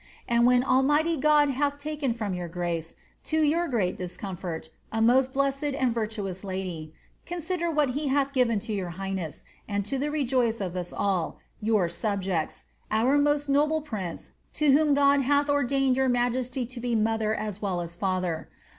And when Almighty God hath taken from your grace, to your great discomfort, a most blessed and virtuous lady, consider what he hath given to yonr highness, and to the rtjoict of all us, your subjects — our most noble prince, to whom God hath ordained ymir majesty to be niotbcr as well as faUier.